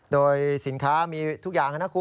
โดยสินค้ามีทุกอย่าง